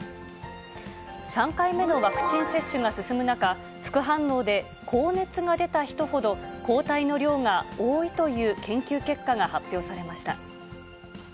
３回目のワクチン接種が進む中、副反応で高熱が出た人ほど、抗体の量が多いという研究結果が発表されました。